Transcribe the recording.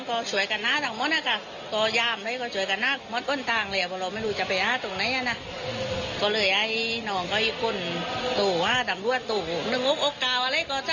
ก็เลยให้กูไปเขามาอ่วนน่ะค่ะ